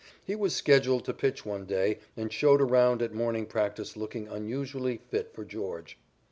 He was scheduled to pitch one day and showed around at morning practice looking unusually fit for George.